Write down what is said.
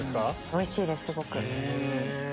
おいしいですすごく。